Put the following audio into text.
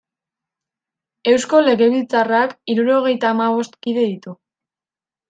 Eusko Legebiltzarrak hirurogeita hamabost kide ditu.